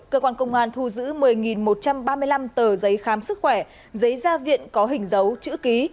cơ quan công an thu giữ một mươi một trăm ba mươi năm tờ giấy khám sức khỏe giấy gia viện có hình dấu chữ ký